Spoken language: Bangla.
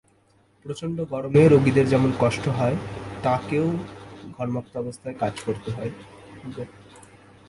প্রচণ্ড গরমে রোগীদের যেমন কষ্ট হয়, তাঁকেও ঘর্মাক্ত অবস্থায় কাজ করতে হয়।